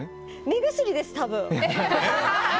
目薬です、多分。